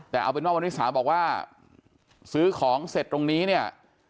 แต่เอาเป็นว่าวันนี้สาวบอกว่าซื้อของเสร็จตรงนี้เนี่ย